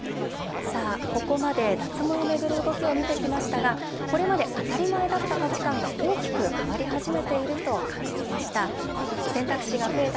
ここまで脱毛を巡る動きを見てきましたが、これまで当たり前だった価値観が大きく変わり始めていると感じました。